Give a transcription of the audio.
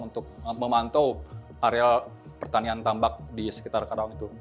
untuk memantau areal pertanian tambak di sekitar karawang itu